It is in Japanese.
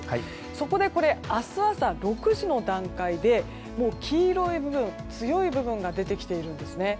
そこで、明日朝６時の段階で黄色い部分、強い部分が出てきています。